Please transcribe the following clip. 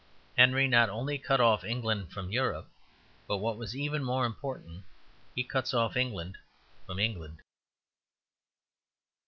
Henry not only cut off England from Europe, but what was even more important, he cuts off England from England.